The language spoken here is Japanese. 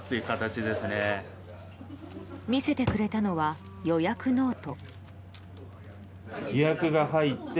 見せてくれたのは予約ノート。